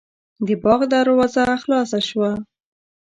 د باغ دروازه خلاصه شوه.